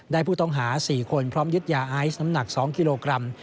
ผู้ต้องหา๔คนพร้อมยึดยาไอซ์น้ำหนัก๒กิโลกรัม